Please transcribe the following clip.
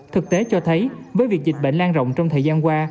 thực tế cho thấy với việc dịch bệnh lan rộng trong thời gian qua